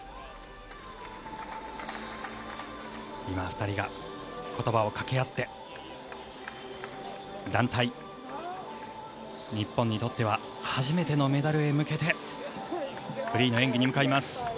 今、２人が言葉をかけ合って団体、日本にとっては初めてのメダルへ向けてフリーの演技に向かいます。